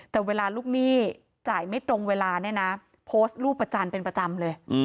แต่เวลาลูกหนี้จ่ายไม่ตรงเวลาเนี่ยนะโพสต์รูปประจันทร์เป็นประจำเลย